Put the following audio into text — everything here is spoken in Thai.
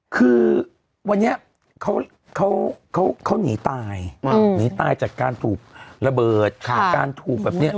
คือวันนี้เขาหนีตายหนีตายจากการถูกระเบิดจากการถูกแบบเนี้ย